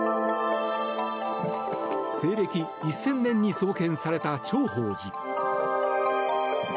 西暦１０００年に創建された長保寺。